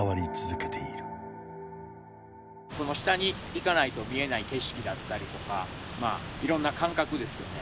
下に行かないと見えない景色だったりとかいろんな感覚ですよね。